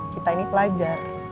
kita ini pelajar